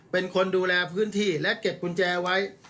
เป็นคนดูแลพื้นที่และเก็บกุญแจไว้